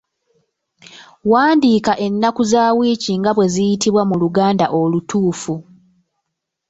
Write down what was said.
Wandiika ennaku za wiiki nga bwe ziyitibwa mu Luganda olutuufu.